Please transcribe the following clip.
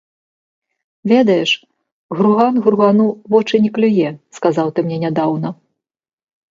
Ведаеш, груган гругану вочы не клюе, сказаў ты мне нядаўна.